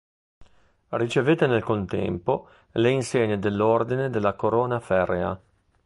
Ricevette nel contempo le insegne dell'Ordine della Corona Ferrea.